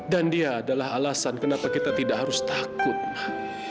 dan dia adalah alasan kenapa kita tidak harus takut mak